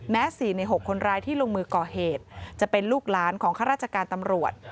๔ใน๖คนร้ายที่ลงมือก่อเหตุจะเป็นลูกหลานของข้าราชการตำรวจ